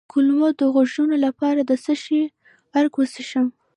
د کولمو د غږونو لپاره د څه شي عرق وڅښم؟